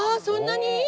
そんなに！？